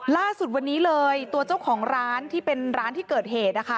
ล่าสุดวันนี้เลยตัวเจ้าของร้านที่เป็นร้านที่เกิดเหตุนะคะ